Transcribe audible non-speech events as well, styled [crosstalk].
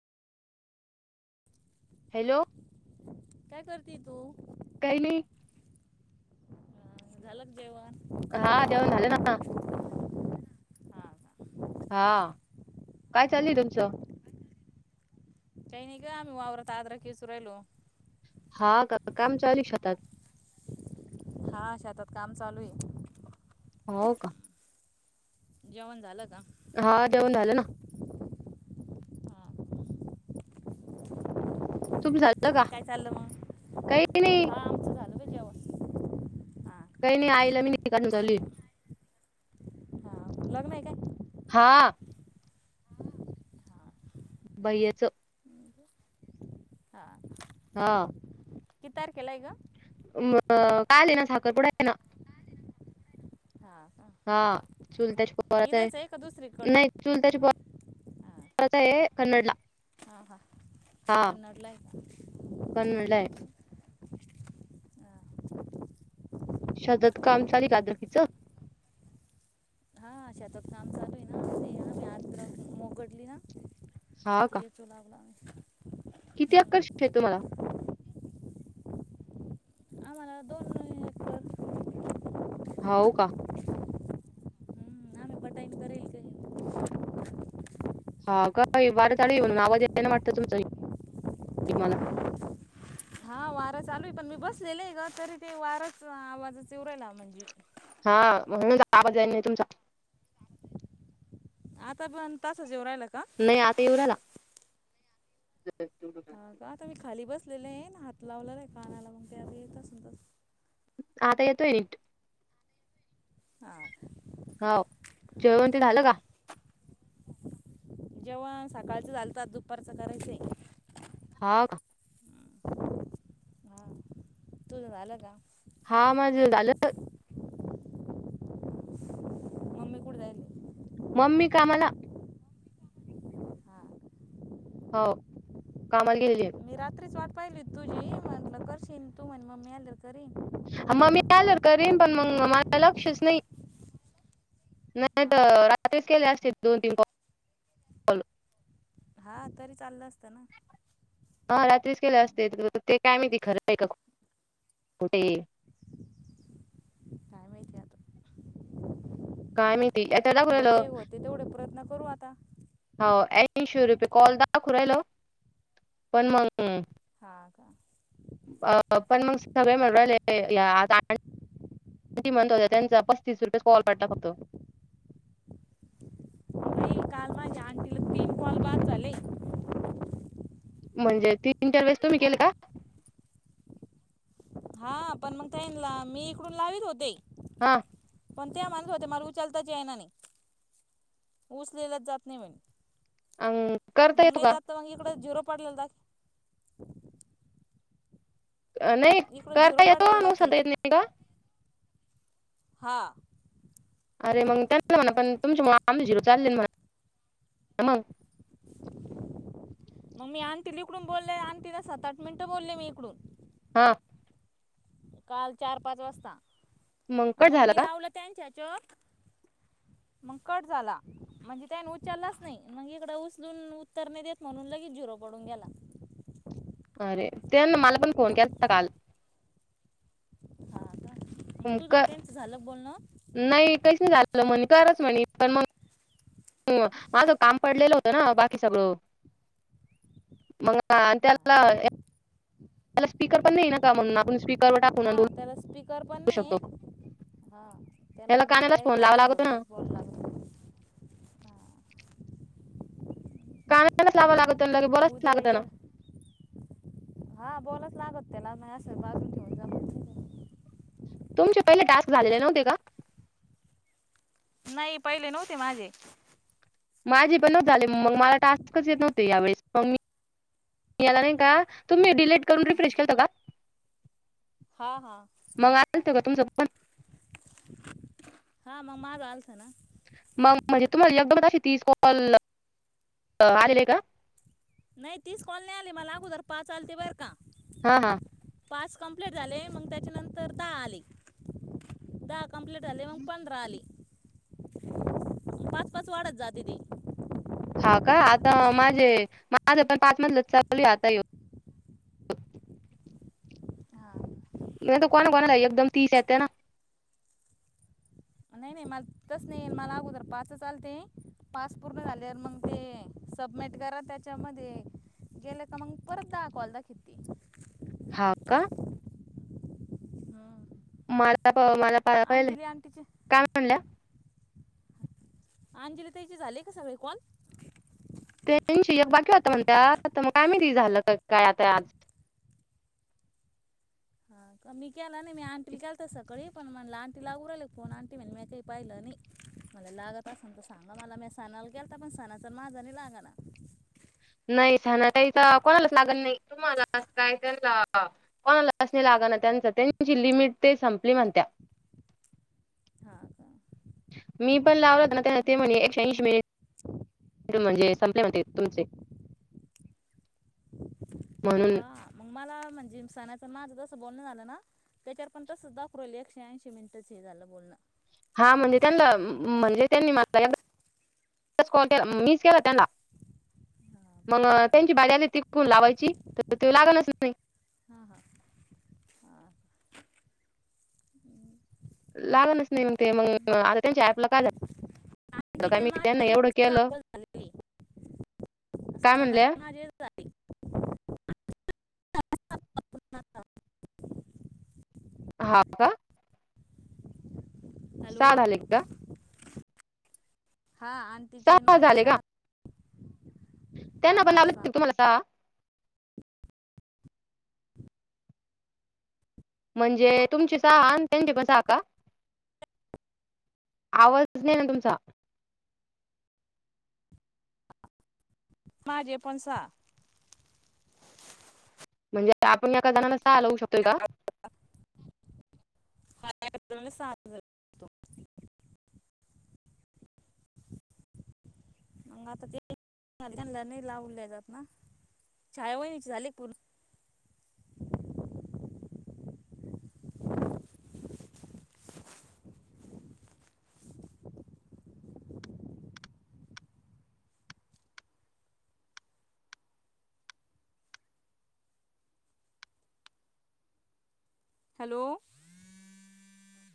Hello. काय करते तू? काही नाही ह, झालं क जेवण? हा जेवण झाले ना. हां का हा, काय चाललय तुमचं? काही नाही ग, आम्ही वावरात अद्रक येचू राहिलो हा, का काम चालू शेतात? हा, शेतात काम चालू य. हो का? जेवण झालं का? हा, जेवण झालं ना. हां तुम्ही झालं का? काय चाललं मग काही नाही. हा आमचं झालं का जेवण हा काही नाही, आईला मी न का चालूयऽ हा लग्न आहे काय हा बायचं ह हा हा कीितार केलाय का म काल आहे ना साकररपुडा आहे ना हा हा हा चुल त्याच्या पराच आहे दुसरीकडे नाही चल तरीत आहे कन्नडला हां हां हा पन्नडला आहेक [unintelligible] हा. शजत काम चाल कादकीिचं हा शात काम लू आहे ना म मोकडली ना हा का चोला वलाने किती आकर्ष आहे तुम्हाला आम्हाला दोन हेक्टर हो का पटईत करयल का हा का वाड्यातडी येऊन नावा द ना वाटतं तुमचं मला हा वारं चालू आहे पण मी बसलेले आहे ग तरी ते वारच आवाजच उरायला म्हणजे हा म्हणून आवाज नाही तुमचा आता पण तास जेव राहिला का नाही आता येवराला जय लला हा का आता मी खाली बसलेले आहे ना हात लावलेला आहे कानाला मग ते आता येत अस आता येतोयनिट आ हो जेवण ते झालं का जेवण सकाळचं घलतात दुपारचं करायच हा का तुझला अला का हा माझ झालं मम्मी कुठ जायली मम्मी का मला हा हो कामाला गेली मी रात्रीच वाट पाहिली तुझी म्हटलं कशीई तू म्हणे मग मी आले तर करीन मग मी आल करीन पण मग मला लक्षच नाही नाही हा का तर रात्रीच केले असते दोन तीन को हा तरी चाललं असतं ना हा रात्रीच केल्या असते ते काय मीती खरं आहे का कुठे काायमेेतत काय माहिती आता दाखवू हो राहिलं ते हो ते तेवढे प्रयत्न करू आता हो ऐंशी रुपये कॉल दाखु राहिला हो पण मग हा का. [unintelligible] होत त्या त्यांचा पस्तीस रुपयाे कॉल वाटला होतो ते काल माझ्या आण तिला तीन कॉल बाद झाले म्हणजे तीनटर वेळेस तुम्ही केल का हा पण मग त्यांला मी इकडून लावीत होते. हा पण त्या माणूस होते मला उचालता ज्याना नाही ऊचलेलाच जात नाही म्हणे. अं करता मंग येतो नाही का? जातं मग इकडं झिरो पडलेला जा- नाही इकडं झिरो करता येतो पाडलेला नु दाखिला सध्या येत नाही का? हा. [unintelligible] मंग मी आण्टील इकडून बोलले आण्टीला सात आठ मिनिटं बोलले मी इकडून. हो काल चार-पाच वाजता मग कट मंग झाला मी का? लावलं त्यांच्याच वर. मग कट झाला म्हणजे त्याने उचललाच नाही मग इकडं उचलून उत्तर नाय देत म्हणून लगेच जिरो पडून गेला. अरे ते ना मला पण फोन केलता काल. मग तुझा अन क त्यांचं झालं बोल ना? [unintelligible] हो माझं काम पडलेलं होतं ना बाकी सगळं. मग आणि त्याला हा त्याला स्पीकर पण नाही ना का म्हणून आपण स्पीकरवर टाक हा त्याला स्पीकर पण नाही आहे हा त्याला म कानालाच फोन डायरेक्ट लावा कानाला लागतो ना. धरूनच बो बोलला कानाचं लावा लागत. आणि लगे मग बोलावच उद्या लागत जायचं ना. का? हा बोलच लागत त्याला नाही असं बाजून ठेऊन जाऊ तुमचे पहिले टास्क झालेले नव्हते का? नाही पहिले नव्हते माझे. माझे पण झाले मग मला टास्कच येत नव्हते यावेळेस मग मी याला नाही का तुम्ही डिलेट करून रिफ्रेश केलता का? हा हा. मग आलतो का तुमचा पण? हा मग मा आलता ना. मग म्हणजे तुम्हाला एकदम अशी तीस कॉल आलेले का? नाही तीच कॉल नाही आली मला अगोदर पाच चालते बरं का. हा हा. पाच कम्प्लीट झाले मग त्याच्यानंतर दहा आली. दहा कमप्लीट झाले मंग पंधरा आले पाच-पाच वाढत जाते ती. हा का आता माझे माझं पण पाच मधलं चालू आता ये हा नाही तर कोणा-कोणाला एकदम तीस येते ना. नाही नाही मल तसं नाही मला अगोदर पाचच आलते. टास्क पूर्ण झालेवर मग ते सबमिट करा त्याच्यामध्ये गेले का मंग परत दाखवलदा खिती. हा का? हा. [unintelligible] काय म्हणल्या? अंजली ताईचे झाले का सगळे कॉल? त्यांची एक बाकी होता म्हणत्या आता मग काय माहिती झालं काय आता आज? हा का मी केला नाही मी आंीला केलत सकाळी पण म्हणलं आ आणटीला उरले फोन आंटी म्हण म काही पाहिलं नाही मला लागत असन तर सांगा मला मी सणाला गेलता पण सणाचा माझा नाही लागाणार नाही छानथ कोणाला लागण नाही तुम्हाला काय त्यां कोणाला असणी लागा ना त्यांचा त्यांची लिमिट ते संपली म्हणत्या. हा का? मी पण लावल होत ना त्या ते म्हणे एकशेऐंशी मिनिट म्हणजे संपले मते तुमचे म्हणून हा मग मला म्हणजे सनाच माझं तसं बोलण झालं ना त्याच्यावरपर्यंत सुद्धा पुरवली एक शहाऐंशी मिनिटंच हे झालं बोलणं हा म्हणजे त्यांना म्हणजे त्यांनी माझ मीस का वातंड हा मग का त्यांची बाड आली तिकून लावायची तर ते लागलच नाही हा हा हा लागणारच नाही म्ह ते मग आता त्यांच्या पला काल आ का आंटीचे मी त्यांना माझे एवढं पूर्ण सहा केलं कॉल झालेली काय म्हणल्या माझे उ ह का हॅलो साडले हा आणि तिचे सहा माझे स झाले का त्यांना आपण हा सहा आवु मला आता म्हणजे तुमचीचहा त्यांची पणहाका आवाज नाही ना तुमचा माझे पणसा म्हणजे आपण एका जणना सहा लावू शकतोय का ह स मग आता ते नाही लावल्या जात ना शाळेव विचारले पूण हॅलो